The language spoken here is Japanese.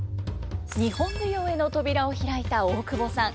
日本舞踊への扉を開いた大久保さん。